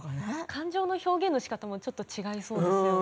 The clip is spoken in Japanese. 感情の表現とかもちょっと違いそうですね。